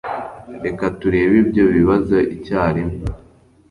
Reka turebe ibyo bibazo icyarimwe.